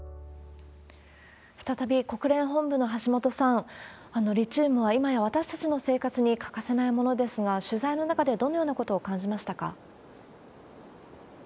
再び国連本部の橋本さん、リチウムは、今や私たちの生活に欠かせないものですが、取材の中でどのようなことを感じましたか？